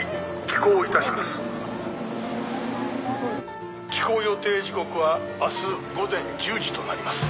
帰港予定時刻は明日午前１０時となります。